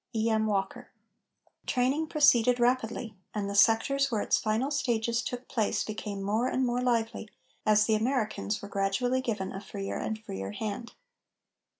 E. M. WALKER. Training proceeded rapidly, and the sectors where its final stages took place became more and more lively as the Americans were gradually given a freer and freer hand.